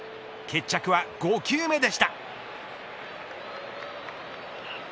決着は５球目でした。